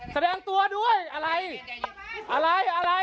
แสดงตัวด้วยอะไรอะไรอะไร